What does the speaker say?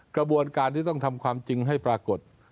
กระบวนการที่ต้องทำความจริงให้ปรากฏ